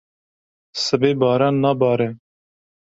Sibê baran nabare.